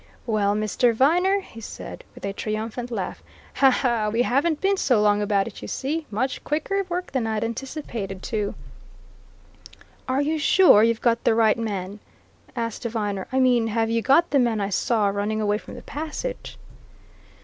"Well, Mr. Viner," he said with a triumphant laugh, "we haven't been so long about it, you see! Much quicker work than I'd anticipated, too." "Are you sure you've got the right man?" asked Viner. "I mean have you got the man I saw running away from the passage?"